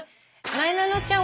なえなのちゃん